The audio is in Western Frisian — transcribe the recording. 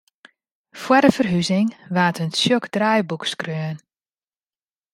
Foar de ferhuzing waard in tsjok draaiboek skreaun.